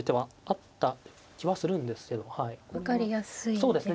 そうですね。